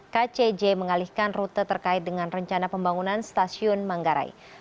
kcj mengalihkan rute terkait dengan rencana pembangunan stasiun manggarai